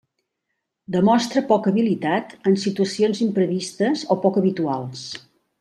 Demostra poca habilitat en situacions imprevistes o poc habituals.